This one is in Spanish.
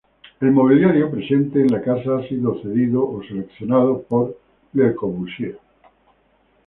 El mobiliario presente en la casa ha sido concebido o seleccionado por Le Corbusier.